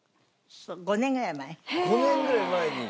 ５年ぐらい前に。